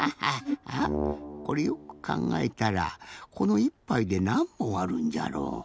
あっこれよくかんがえたらこの１ぱいでなんぼんあるんじゃろう？